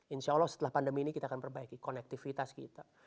insya allah setelah pandemi ini kita akan perbaiki konektivitas kita